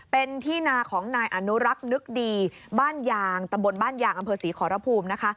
เป็นที่นาของนายอนุรักษ์นึกดีตะบนบ้านยางอำเภอศรีขอระภูมิ